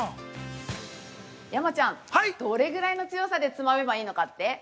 ◆山ちゃん、どれぐらいの強さでつまめばいいかって？